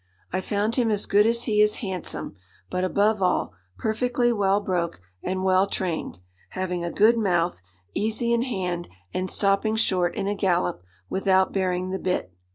I found him as good as he is handsome; but, above all, perfectly well broke and well trained, having a good mouth, easy in hand, and stopping short in a gallop without bearing the bit.